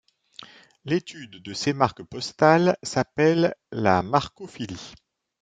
L'étude de ces marques postales s'appelle la marcophilie.